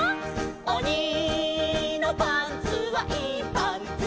「おにのパンツはいいパンツ」